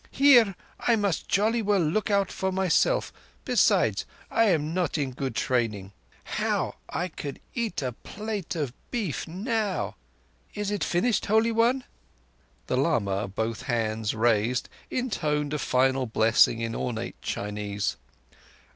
Here I must jolly well look out for myself. Besides, I am not in good training. How I could eat a plate of beef now! ... Is it finished, Holy One?" The lama, both hands raised, intoned a final blessing in ornate Chinese.